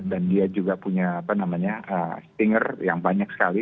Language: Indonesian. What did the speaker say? dan dia juga punya apa namanya stinger yang banyak sekali